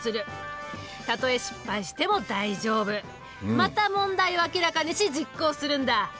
また問題を明らかにし実行するんだ。